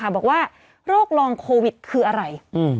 บอกว่าโรคลองโควิดคืออะไร